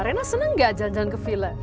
rena senang gak jalan jalan ke villa